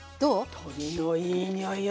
鶏のいい匂いよ。